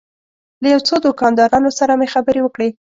له یو څو دوکاندارانو سره مې خبرې وکړې.